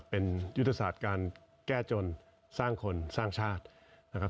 เป็นยุทธศาสตร์การแก้จนสร้างคนสร้างชาตินะครับ